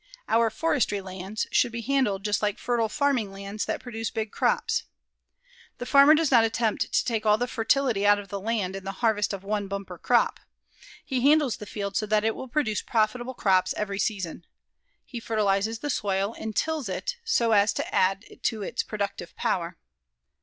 Our forest lands should be handled just like fertile farming lands that produce big crops. The farmer does not attempt to take all the fertility out of the land in the harvest of one bumper crop. He handles the field so that it will produce profitable crops every season. He fertilizes the soil and tills it so as to add to its productive power.